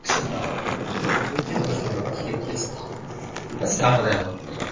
牛肉乾